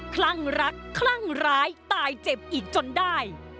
คลั่งรักคลั่งร้ายตายเจ็บอีกจนได้